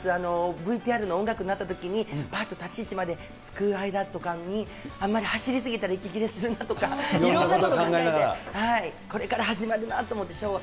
ＶＴＲの音楽鳴ったときに、ぱっと立ち位置までつく間とかに、あんまり走り過ぎたら息切れするなとか、いろんなこと考えながら、これから始まるなと思って、ショーが。